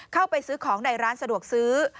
เข้าไปซื้อของในร้านสะดวกซื้อ